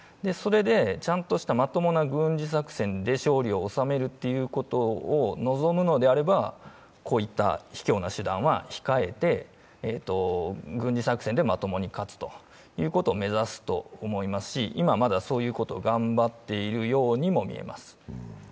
それでちゃんとした、まともな軍事作戦で勝利を収めることを望むのであれば、こういったひきょうな手段は控えて、軍事作戦でまともに勝つということを目指すと思いますし、今まだそういうことを頑張っているようにもみえます。